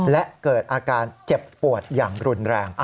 และเกิดอาการเจ็บปวดอย่างรุนแรง